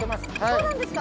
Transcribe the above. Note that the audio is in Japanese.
そうなんですか。